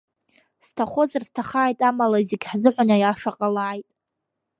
Сҭахозар, сҭахааит, амала, зегь ҳзыҳәан аиаша ҟалааит!